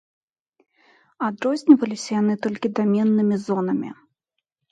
Адрозніваліся яны толькі даменнымі зонамі.